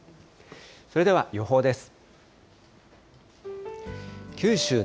それでは予報です。